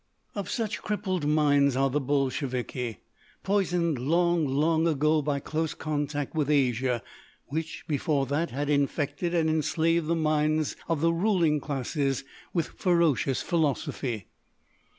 "Of such crippled minds are the Bolsheviki, poisoned long, long ago by close contact with Asia which, before that, had infected and enslaved the minds of the ruling classes with ferocious philosophy.